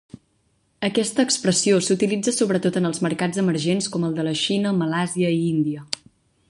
Aquesta expressió s'utilitza sobretot en els mercats emergents com el de la Xina, Malàisia i Índia.